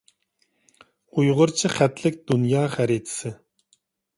ئۇيغۇرچە خەتلىك دۇنيا خەرىتىسى.